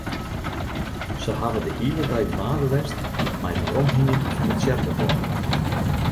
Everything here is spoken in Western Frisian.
Se hawwe de hiele dei dwaande west mei it weromhingjen fan de tsjerkeklokken.